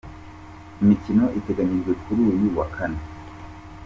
Imikino iteganyijwe kuri uyu wa Kane.